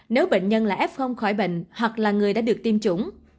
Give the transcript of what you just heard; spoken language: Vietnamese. nếu bệnh nhân là f khỏi bệnh hoặc là người đã được tiêm chủng